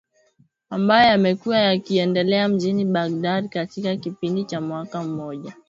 ambayo yamekuwa yakiendelea mjini Baghdad katika kipindi cha mwaka mmoja